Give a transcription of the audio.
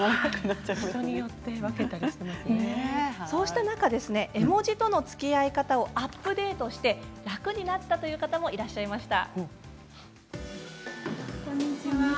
そうした中、絵文字とのつきあい方をアップデートして楽になったという方もいらっしゃいました。